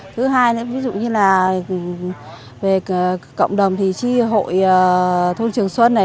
thứ hai nữa ví dụ như là về cộng đồng thì tri hội thôn trường xuân này